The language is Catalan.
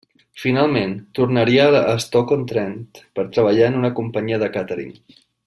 Finalment tornaria a Stoke-on-Trent per treballar en una companyia de càtering.